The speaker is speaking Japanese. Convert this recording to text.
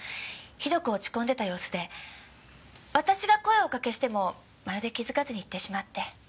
ひどく落ち込んでた様子で私が声をおかけしてもまるで気づかずに行ってしまって。